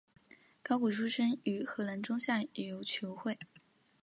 高古出身于荷兰中下游球会。